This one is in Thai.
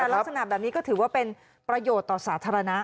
ลักษณะแบบนี้ก็ถือว่าเป็นประโยชน์ต่อสาธารณะ